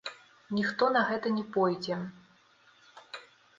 Ніхто на гэта не пойдзе.